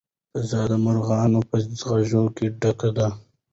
فضا د مرغانو په غږونو ډکه ده.